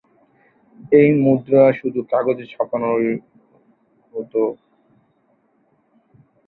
এই মুদ্রা শুধু কাগজে ছাপানো হতো।